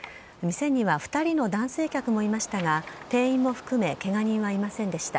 店には２人の男性客もいましたが、店員も含め、けが人はいませんでした。